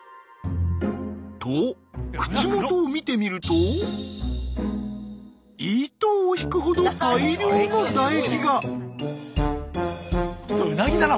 と口元を見てみると糸を引くほどこれ唾液。